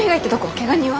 けが人は？